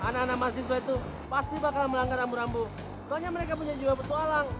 anak anak mahasiswa itu pasti bakal melanggar rambu rambu soalnya mereka punya jiwa petualang